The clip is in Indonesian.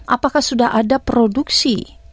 apakah sudah ada produksi